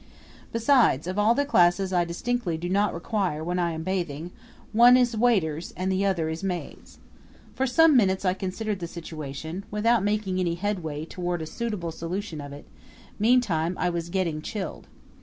Besides, of all the classes I distinctly do not require when I am bathing, one is waiters and the other is maids. For some minutes I considered the situation, without making any headway toward a suitable solution of it; meantime I was getting chilled.